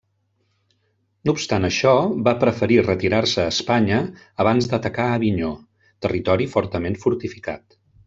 No obstant això, va preferir retirar-se a Espanya abans d'atacar Avinyó, territori fortament fortificat.